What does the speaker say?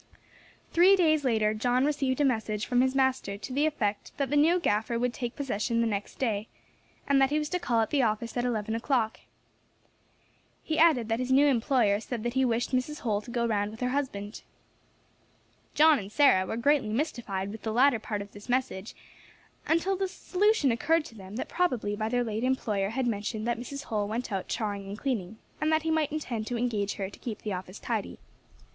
Three days later John received a message from his master to the effect that the new gaffer would take possession next day, and that he was to call at the office at eleven o'clock. He added that his new employer said that he wished Mrs. Holl to go round with her husband. John and Sarah were greatly mystified with the latter part of this message, until the solution occurred to them that probably their late employer had mentioned that Mrs. Holl went out charring and cleaning, and that he might intend to engage her to keep the office tidy.